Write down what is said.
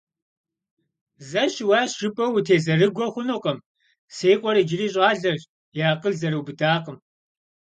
Зэ щыуащ жыпӀэу утезэрыгуэ хъунукъым, си къуэр иджыри щӀалэщ, и акъыл зэрыубыдакъым.